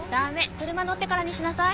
車乗ってからにしなさい。